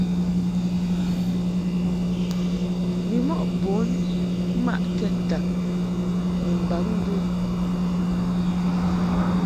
Bimɔʼ bun mmaʼkɛd dag ni mbaŋ mbɨ.